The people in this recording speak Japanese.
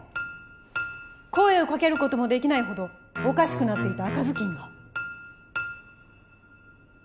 声をかける事もできないほどおかしくなっていた赤ずきんが？